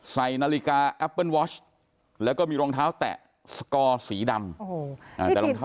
ใส่นาฬิกาแอปเปิ้ลวอชแล้วก็มีรองเท้าแตะสกอร์สีดำแต่รองเท้า